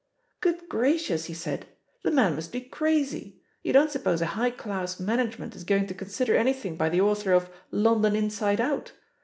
'Good gracious !' he said, 'the man must be crazy. You don't suppose a high class man agement is going to consider anjrthing by the author of London Inride Out?